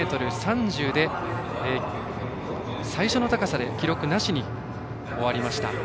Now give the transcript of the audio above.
５ｍ３０で最初の高さで記録なしに終わりました。